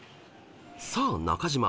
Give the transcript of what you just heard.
［さあ中島